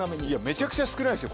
めちゃくちゃ少ないですよ。